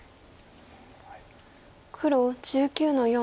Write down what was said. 黒１９の四。